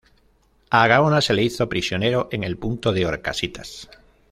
A Gaona se le hizo prisionero en el punto de Horcasitas.